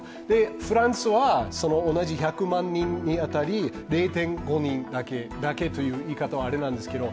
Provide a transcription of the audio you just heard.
フランスは同じ１００万人当たり０．５人だけ、だけという言い方はあれなんですけど。